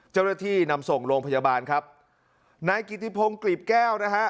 เจ้าหน้าที่นำส่งโรงพยาบาลครับนายกิติพงศ์กรีบแก้วนะฮะ